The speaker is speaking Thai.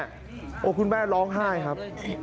พูดแม่ร้องไห้ครับ